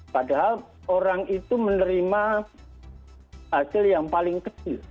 padahal orang itu menerima hasil yang paling kecil